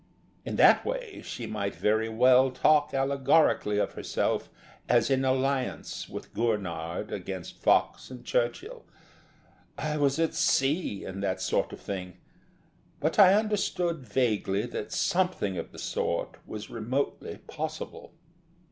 In that way she might very well talk allegorically of herself as in alliance with Gurnard against Fox and Churchill. I was at sea in that sort of thing but I understood vaguely that something of the sort was remotely possible.